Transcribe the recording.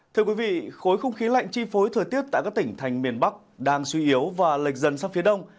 thưa quý vị khối không khí lạnh chi phối thời tiết tại các tỉnh thành miền bắc đang suy yếu và lệch dần sang phía đông